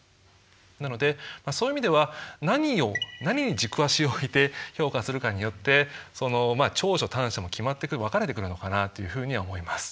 なのでそういう意味では何に軸足をおいて評価するかによって長所・短所も決まってくる分かれてくるのかなというふうには思います。